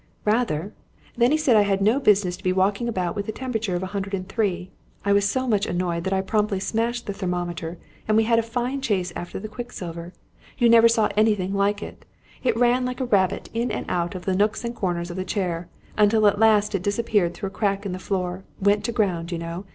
"Rather! Then he said I had no business to be walking about with a temperature of 103. I was so much annoyed that I promptly smashed the thermometer, and we had a fine chase after the quicksilver. You never saw anything like it! It ran like a rabbit, in and out of the nooks and corners of the chair, until at last it disappeared through a crack in the floor; went to ground, you know.